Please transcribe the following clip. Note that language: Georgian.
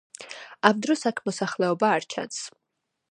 ამ დროს აქ მოსახლეობა არ ჩანს.